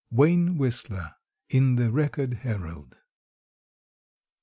—Wayne Whistler, in the Record Herald.